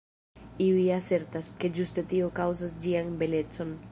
Iuj asertas, ke ĝuste tio kaŭzas ĝian belecon.